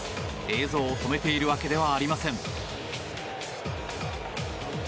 映像を止めているわけではありません。